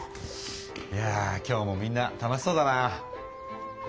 いやぁ今日もみんな楽しそうだな。